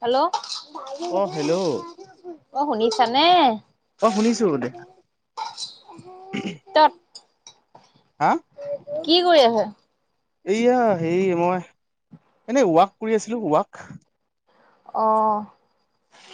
Hello অ' অ hello শুনিছানে। অ শুনিছো দে ত'ত। হা? কি কৰি আছে? এইয়া, হেৰি মই এনে ৱাক কৰি আছিলোঁ। ৱাক। অ'।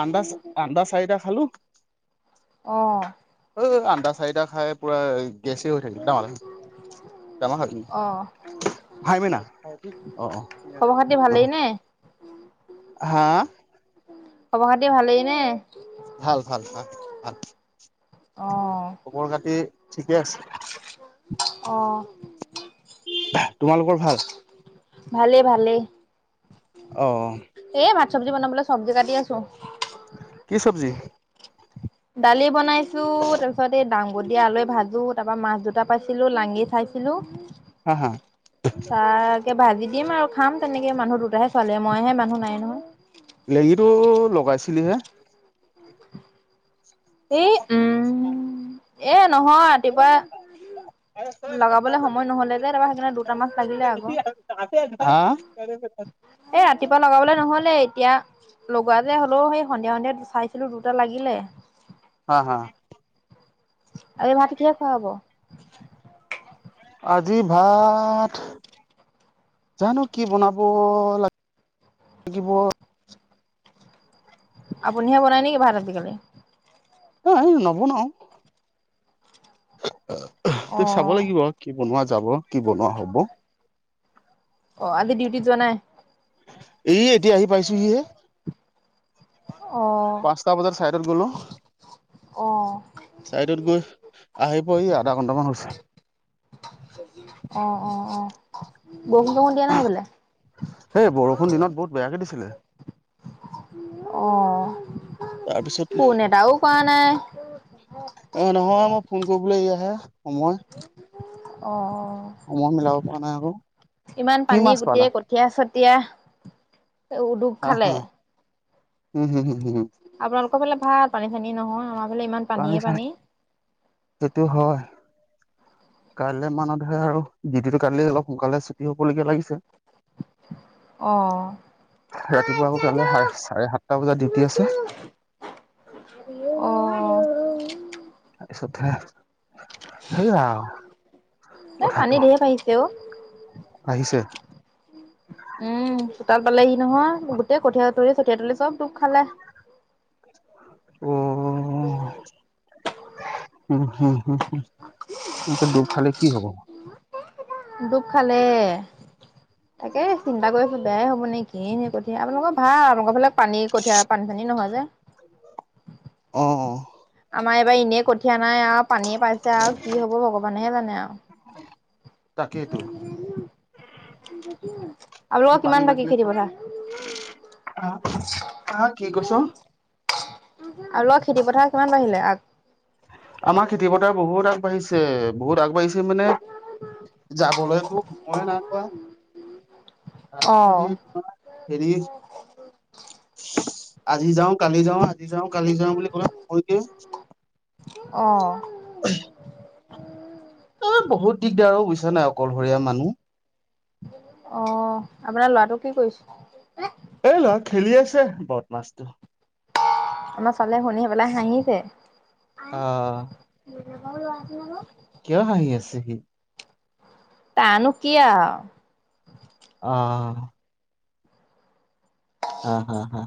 আন্দা- আন্দা চাৰিটা খালো অ'। চাৰিটা খাই পুৰা এই গেছে হৈ থাকিল। অ খবৰ খাতি ভালেই নে খবৰ খাতি ভালেই নে? ভাল, ভাল, ভাল। আ। অ খবৰ খাতি ঠিকে আছে। অ'। তোমালোকৰ ভাল। ভালে- ভালে। অ'। চবজি বনাবলৈ চবজি কাটি আছো। কি চবজি? দালি বনাই ছো তাৰপিছত এই দাং আ দিয়া আলুৱে ভাজোঁ তাৰপৰা মাছ দুটা পাইছিলোঁ লাঙি চাইছিলোঁ [inaudible] তে ভাজি দিম আও খাম তেনেকে মানুহ দুটাহে চোৱালী মইহে মানুহ নাই নহয় লেগীটো লগাইছিলিহে এই উম উম এ নহয় ৰাতিপুৱা লগাবলে সময় নহলে যে তাৰপৰা সেইকাৰণে দুটা মছ লাগিলে আকৌ হা এ ৰাতিপুৱা লগাবলে নহলে এতিয়া লগোৱা যে হ'লেও সেই সন্ধিয়া সন্ধিয়া চাইছিলো দুটা লাগিলে। হা হা। আজি ভাত কিহে খোৱা হ'ব? [inaudible] আজি ভাত জানো কি বনাব লাগিব আপুনিহে বনায় নেকি ভাত আজিকালি? উম নবনাও [unintelligible] চাব অ', লাগিব আউ কি বনোৱা যায়। যাব, কি বনোৱা হ'ব অ' আজি ডিউটিত যোৱা নাই? এই ইয়া আহি পাইছোহিহে। অ', পাঁচটা বজাত চাইডত গলো, অ', চাইডত গৈ আহি পোৱাহি আধা ঘণ্টামান হৈছে। [unintelligible] অঁ অঁ অঁ। সেই বৰষুণ দিনত বহুত বেয়াকে দিছ ছিলে। অঁ। ফোন এটাও কৰা নাই। অঁ নহয় মই ফোন কৰিবলৈ এইয়া হে সময় অঁ। সময় মিলাব পৰা নাই আক'। ইমান পানী গোটেই কঠীয়া চত ঠিয়া ও ডুব হা খালে। হা উম, হুম, হু, হু, হু। আপোনালোকৰ ফালে ভাল পানী-চানী নহয়, আমাৰ ফালে ইমান পানী পানীয়ে চানী, সেইটো হয়। কাইলৈ মানতহে আৰু, ডিউটিটো কাইলে অলপ সোনকালে ছুটি হ'ব লেখীয়া লাগিছে। অঁ, ৰাতিপুৱা আকৌ কাইলে সা চাৰে সাতটা বজাত ডিউটি আছে অঁ। [unintelligible] তাপিছতহে এ কথাটো পানী ঢেৰ বাহিছে অ'। আহিছে- উম- তাৰ পালেহি নহয়, গোটেই কঠীয়া- কঠিয়া তলি চতিয়া তুলি চব দুখ খালে [unintelligible] অ-উম- হম- হম- তাকে [unintelligible] ডুব খালে কি হব? দোব খালে। তাকে চিন্তা কৰিছো বেয়াই হ'ব নেকি কিয়েইনে কঠিয়া। আপোনালোকৰ ভাল আপোনালোকৰ ফালে- পানী কঠীয়া পানী চানী নহয় যে। অ- অ- আমাৰ এইবাৰ এনেই কঠিয়া - নাই আৰু পানীয়ে পাইছে, আৰু কি হব ভগৱানেহে জানে। অ- তাকেইতো। ন [unintelligible] তুমি পানী বাঠিল [unintelligible] হা-হা কি কৈছ? এক [unintelligible] আমাৰ খেতি পথাৰ বহুত আগবাঢ়িছে বহুত আগবাঢ়িছে। মানে যাবলৈতো সময়ে নাইাপোৱা, অ তাৰপিছত এই তোমাৰ হেৰি- আজি যাওঁ কালি যাওঁ- আজি যাও- কালি যাওঁ বুলি ক'লে মই [unintelligible] অ- হয় [unintelligible] অ- বহুত দিন- দিগদাৰও বুইছা নাই অকলশৰীয়া মানুহ। অ আপোনাৰ লৰাটো কি কৰিছে? এই ল'ৰা খেলি আছে বদমাচটো। আমাৰ ছোৱালীয়ে শুনি আহি পেলাই হাঁহিছে। আহ [unintelligible] লোকৰ আহ ল আছে ন ন [unintelligible] কিয় হাহি আছে সি! তাৰনো কি আৰু। অ হা হা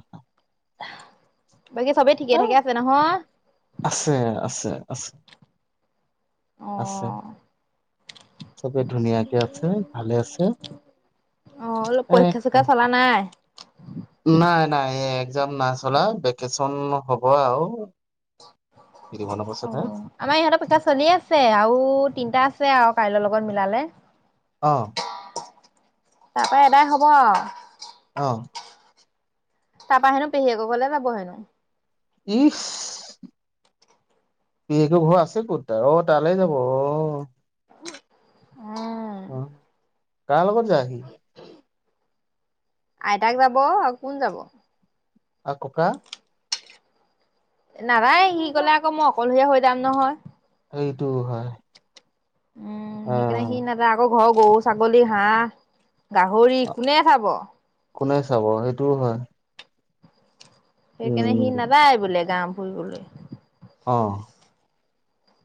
[inaudible] বাকী চবেই ঠিকে আহ থাকে আছে নহয়। আছে আছে আছে। অ আছে। চবেই ধুনীয়াাকে আছে ভালে আছে। অলপ এ- পৰীক্ষা চৰীক্ষা চলা নাই? নাই নাই একজাম নাই চলা ভেকেচন হ'ব আও অ', আমাৰ ইহঁতৰ পইক্ষা চলি আছে আৰু তিনটা আছে আৰু কাইলৈৰ লগত মিলালে। অ', তাৰ পা এদাই হ'ব আও অ', তাৰপা হেনো পেহীয়েকৰ ঘৰলে যাব হেনো। ইচ, পেহীয়েকৰ ঘৰ আছে ক'ত তাৰ, অ', তালে যাব অ'। উম' উম', কাৰ লগত যায় সি? আইতাক যাব আও কোন যাব। অ', ককা? নাদাই, সি গ'লে আকৌ মই অকলশৰিয়া হৈ যাম নহয়। এইটোও হয়। উম', অ সেইকানে সি নাযায় আকৌ ঘৰ, গৰু, ছাগলী, হাঁহ গাহৰি, কোনে চাব? টোও হয়। সেইকাণে সি উম নাদায় বোলে গাও ফুৰিবলৈ। অ'।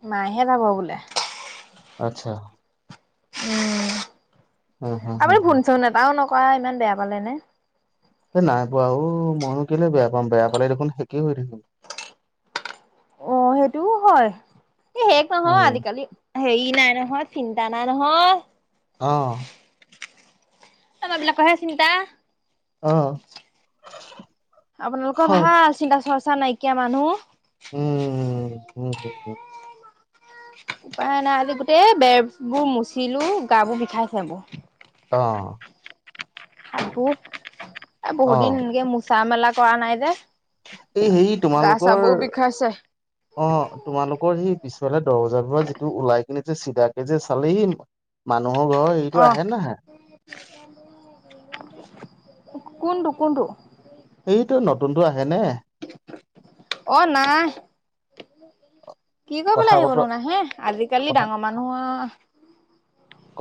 মাইহে যাব বোলে। আচ্ছা। উম'। হ হ হ আপুনি হ ফোন চোন এতাও নক আও ইমান বেয়া পালে নে। এ নাই পোৱা অ', মইনো কেলে বেয়া পাম, বেয়া পালে দেখোন সেকেই হৈ থাকিম। অ', সেইটোও হয়। এই হেগ নহয়, উম আজিকালি হেই নাই নহয় চিন্তা নাই নহয়। অ'। আমা বিলাকৰহে চিন্তা। অ'। আপোনালোকৰ হয় ভাল চিন্তা চৰ চা নাইকিয়া মানুহ। উম', উম, উম, উম উপায় নাই, আজি গোটেই বেৰবোৰ মুচিলো গা বোৰ বিষাইছে বো অ'। আকৌ। এ অ বহুত দিন এনকে মোচা মেলা কৰা নাই যে এই হেৰি গা তোমালোকৰ চাবোৰ বিষাইছে। অ', তোমালোকৰ সি। পিছফালে দ বজাৰ পৰা যিটো ওলাই কিনে যে চিধাকে যে চালেই মান। নহৰু ঘৰৰ এইটো অ' আহে নাহে? কোনটো কোনটো? এইটো নতুনটো আহেনেহ? অ', নাইহ। কি কথা কৰিবলে বতৰা আহিবনো নাহেহ। আজিকালি কথা ডাঙৰ মানুহৰ।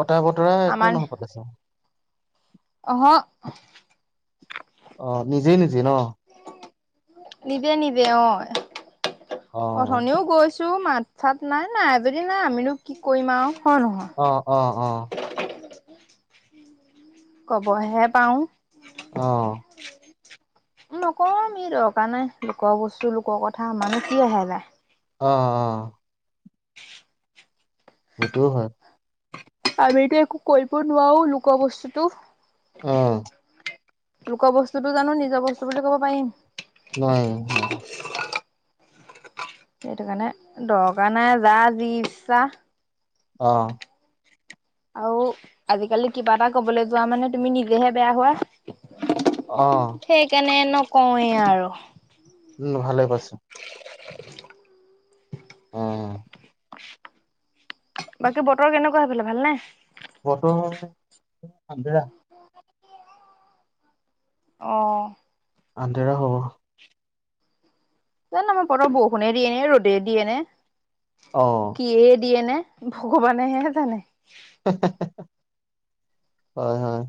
কটা বতৰা একো নহপাতে চোন। অহ, অ'। অ', নিজেই নিজেই ন? নিবে নিবে অই। অ অথনিও গৈছ তোৰ মাত চাত নাই। নাই যদি নাই। আমিনো কি কৰিম আৰু। হয় নহয় অ', অ', অ'। কবহে পাওঁ। অ নকওঁ আমি দৰকাৰ নাই। লোকৰ বস্তু লোকৰ কথা আমাৰনো কি আহে যায়। অ', অ', অ'। সেইটো হয়। আমিতো একো কৰিব নোৱাৰো লুকৱা বস্তুটো। অ'। লোকৰ বস্তুটো জানো নিজৰ বস্তু বুলি ক'ব পাৰিম? নোৱাৰিম নোৱাৰি। সেইটো কাৰণে দৰকাৰ নাই যাৰ যি ইচ্ছাহ। অহ। আৰু আজিকালি কিবা এটা ক'বলে যোৱা মানে তুমি নিজেহে বেয়া হোৱা। অ সেইকানেন। নকওঁৱেই আৰুহ। উম, ভালে পাছো। [inaudible] অহ। বাকী বতৰ কেনেকুৱা সেফেলে ভালনেহ? বৰ্তমানে সা বেয়া। অহ। আন্ধেৰা হ'ব। জানো [unintelligible] বতৰ বৰষুণে দিয়েনে ৰ'দে দিয়েনে অ কিয়ে দিয়ে নে? ভগৱানেহে জানে। হয়, হয়।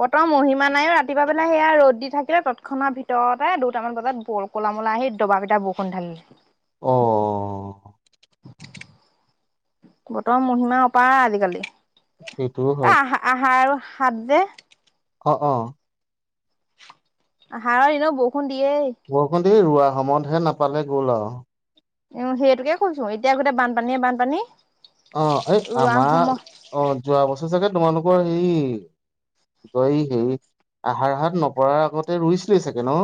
বতৰৰ মহিমা নাই অ। ৰাতিপুৱা বেলা সেয়া ৰ'দ দি থাকিলে তৎক্ষণা ভিতৰতে দুটামান বজাত ব'ল কলামলা আহি দবাফিটা বৰষুণ ঢাল দিলে। অ'। বতৰৰ মহিমা অপাৰ আজিকালি। সেইটোও অ হয় আহা আহাৰ হাট যে অ-অ আহাৰত এনেও বৰষুণ দিয়েই। বৰষুণ দিয়ে ৰোৱা অসমতহে নাপালে গ'ল আৰু উম সেইটোকে কৈছো, এতিয়া গোটেই বানপানীয়ে- বানপানী। অ এই ৰোৱা আমাৰ সময় অ যোৱা বছৰ চাগে তোমালোক, বৰ হে কি কয়, এই হেৰি আহাৰ হাট নপৰাৰ আগতে ৰুইছিল চাগে ন।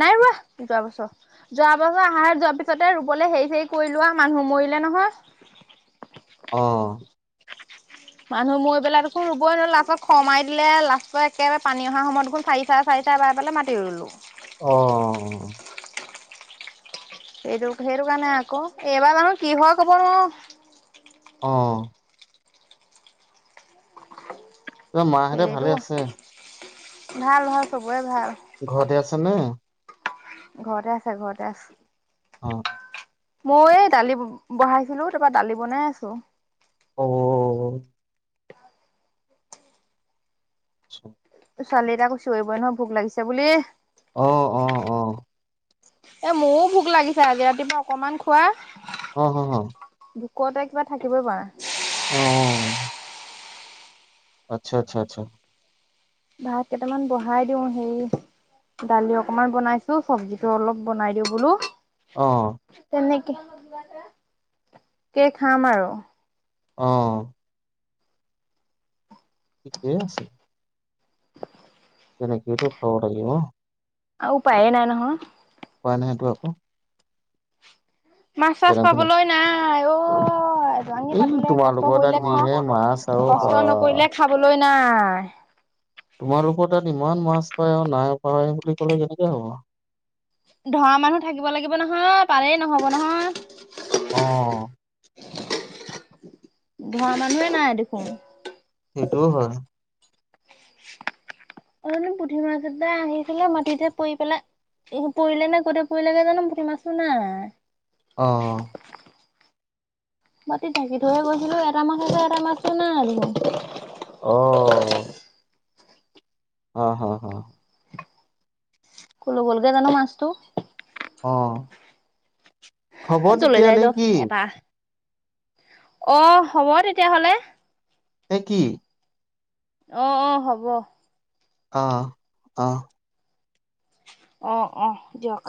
নাই ৰোৱা যোৱা বছৰ যোৱা বছৰ আহাৰ যোৱাৰ পিছতে ৰুবলৈ হেৰি চৰি কৰি লোৱা মানুহ মৰিলে নহয়। অ মানুহ মৰি পেলাই দেখোন ৰুবই নোৱাৰো লাষ্টত খৰমাই দিলে লাষ্টত একেবাৰে পানী অহা সময়ত দেখোন চাৰি চাৰে চাৰি চাৰ বাৰ পেলাই মাতি ৰুলো। অ-অ সেইটো-সেইটো কাৰণে আকৌ এইবাৰ জানো কি হয় কব নোৱাৰো অ মাহঁতে সেইটো ভালে আছে। ভাল হয় চব, খুবেই ভাল। [unintelligible] ঘৰতে আছে, ঘৰতে আছ অ মই এই দালি বহাইছিলো তাৰপৰা দালি বনাই আছো। অ [inaudible] ছোৱালী একো চিৰিবই নহয় ভোক লাগিছে বুলি। অ অ অ এ মোৰো ভোক লাগিছে, আজি ৰাতিপুৱা অকমান খোৱা অ হ-হ ভোকতে কিবা থাকিবই পাৰা অ আচ্ছা-আচ্ছা-আচ্ছা ভাত কেইটামান বহাই দিওঁ, সেই দালি অকমান বনাইছো চব্জিটো অলপ বনাই দিওঁ বোলো। অ কে খাম আৰু, অ ঠিকেই আছে। তেনেকেইটো খব লাগিব। উপ উপায় নাই নহয়। পোৱা নাইটো আকৌ, মাছ চাছ যেনে তেনে পাবলৈ নাই। নাই ঔ এই পাতিলে কষ্ট তোমালোকৰ তাত কৰিলে খা যিহে মাছ আৰু বা কষ্ট নকৰিলে খাবলৈ নাই তোমালোকৰ তাত ইমান মাছ পায়, আৰু নাই পায় বুলি ক'লে কেনেকে হ'ব। ধৰা মানুহ থাকিব লাগিব নহয় পালেই নহব নহয়। অ [inaudible] ধৰা মানুহে নাই দেখোন। সেইটোও হয়। এই পুঠি মাছ এটাই আহিছিলে মাটিতে পৰি পেলাই পৰিলে নে গোতে পৰিলেগে জানো পুঠি মাছটো নাই। অ মাতি ঢাকি থৈয়ে গৈছিলো, এটা মাছ আছে এটা মাছটো নাই আৰু অ হা-হা-হা ক'লৈ গৈল জানো মাছটো, অ খবৰ যলৈ তেতিয়া যাই নে যাওক কি? এটা অ হ'ব তেতিয়াহ'লে। নে কি? আহ-অহ হ'ব। আহ-আহ অ-অ দিয়ক।